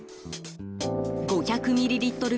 ５００ミリリットル